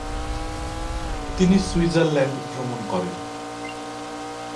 তিনি সুইজারল্যান্ড ভ্রমণ করেন।